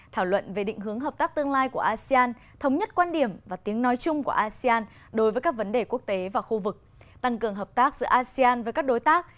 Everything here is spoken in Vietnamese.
thảo luận về định hướng hợp tác tương lai của asean thống nhất quan điểm và tiếng nói chung của asean đối với các vấn đề quốc tế và khu vực tăng cường hợp tác giữa asean với các đối tác